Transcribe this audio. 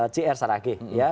c r saragih ya